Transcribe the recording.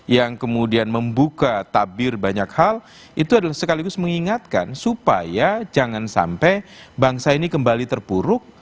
yang kemudian membuka tabir banyak hal itu adalah sekaligus mengingatkan supaya jangan sampai bangsa ini kembali terpuruk